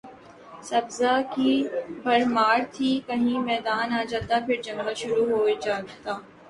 سبزہ کی بھرمار تھی کہیں میدان آ جاتا پھر جنگل شروع ہو جاتا